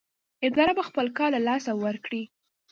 اداره به خپل کار له لاسه ورکړي.